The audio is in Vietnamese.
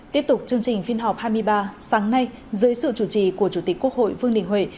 tiếp tục chương trình phiên họp hai mươi ba sáng nay dưới sự chủ trì của chủ tịch quốc hội vương đình huệ